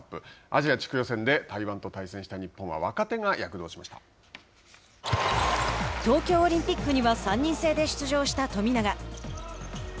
アジア地区予選で台湾と対戦した東京オリンピックには３人制で出場した富永。